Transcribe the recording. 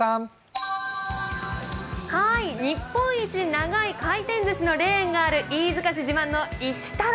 日本一長い回転寿司のレーンがある飯塚市自慢の一太郎。